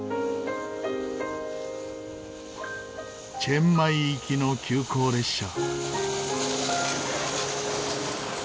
チェンマイ行きの急行列車。